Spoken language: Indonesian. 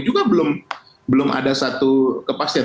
juga belum ada satu kepastian